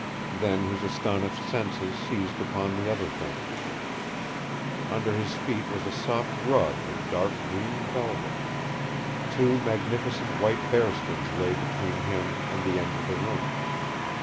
Then his astonished senses seized upon the other things. Under his feet was a soft rug of dark green velvet. Two magnificent white bearskins lay between him and the end of the room.